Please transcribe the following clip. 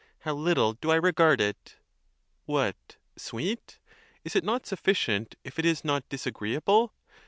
how little do I regard it! What, sweet? Is it not sufficient, if it is not disagreeable?